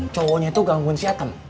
cowoknya itu gangguan si atem